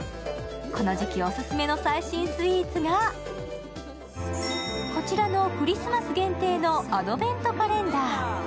この時期オススメの最新スイーツが、こちらのクリスマス限定のアドベントカレンダー。